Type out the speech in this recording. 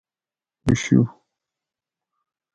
اوشو